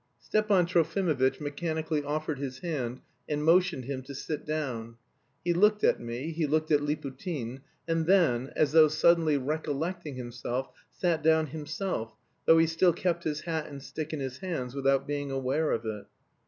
Stepan Trofimovitch mechanically offered his hand and motioned him to sit down. He looked at me, he looked at Liputin, and then as though suddenly recollecting himself sat down himself, though he still kept his hat and stick in his hands without being aware of it.